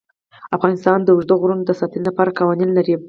افغانستان د اوږده غرونه د ساتنې لپاره قوانین لري.